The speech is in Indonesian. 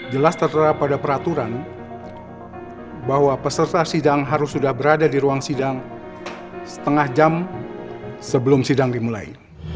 jelas tertera pada peraturan bahwa peserta sidang harus sudah berada di ruang sidang setengah jam sebelum sidang dimulai